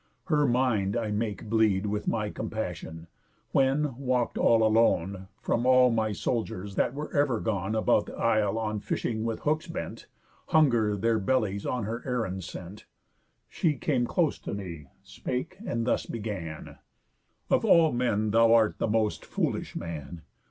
Her mind I make bleed With my compassion, when (walk'd all alone, From all my soldiers, that were ever gone About the isle on fishing with hooks bent; Hunger their bellies on her errand sent) She came close to me, spake, and thus began: 'Of all men thou art the most foolish man!